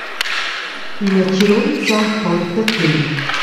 Ina tgirunza porta te.